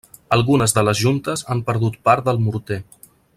Algunes de les juntes han perdut part del morter.